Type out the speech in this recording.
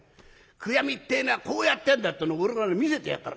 悔やみってえのはこうやってやんだっての俺がね見せてやるから。